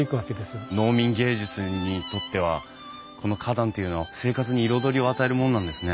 農民藝術にとってはこの花壇っていうのは生活に彩りを与えるもんなんですね。